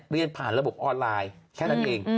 เรียนผ่านระบบออนไลน์แค่นั้นเอง